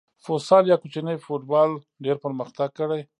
فوسال یا کوچنی فوټبال ډېر پرمختګ کړی.